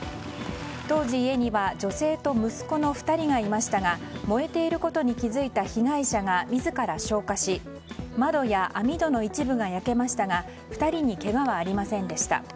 当時、家には女性と息子の２人がいましたが燃えていることに気付いた被害者が自ら消火し窓や網戸の一部が焼けましたが２人にけがはありませんでした。